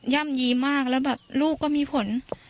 ่ำยีมากแล้วแบบลูกก็มีผล